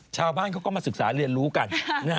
ชาวบ้านเขาก็มาศึกษาเรียนรู้กัน